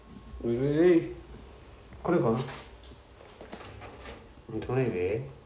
これかな？